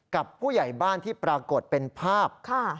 กับผู้ใหญ่บ้านที่ปรากฏเป็นภาพ